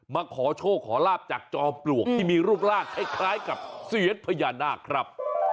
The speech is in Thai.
มาขอโชคขอลาบจากจอมปลวกที่มีรูปร่างคล้ายกับเซียนพญานาคครับ